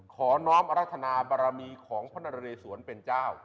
น้อมรัฐนาบารมีของพระนเรสวนเป็นเจ้า